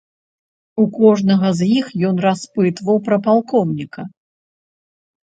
У кожнага з іх ён распытваў пра палкоўніка.